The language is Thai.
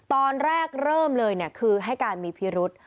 ตอนแรกเริ่มเลยคือให้การมีพิรุษ